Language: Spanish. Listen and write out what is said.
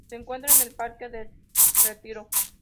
Se encuentra en el parque del Retiro.